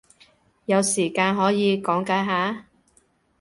有時間可以講解下？